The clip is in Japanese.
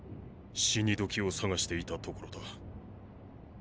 死に時を探していたところだ。